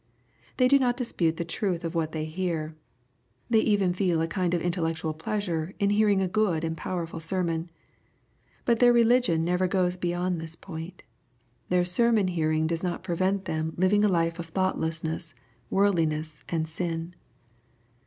They do not dispute the truth of what they hear. They even feel a kind of intellectuaTpteasut'e in hearing a good and powerful sermon. But their religion never goes beyond this point. Their sermon hearingJ[oes not prevent them living a life of thoughtlessness, worldliness, and sin.